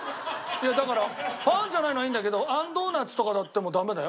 いやだからパンじゃないのはいいんだけどあんドーナツとかでもダメだよ。